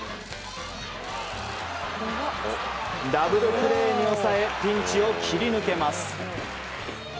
ダブルプレーに抑えピンチを切り抜けます。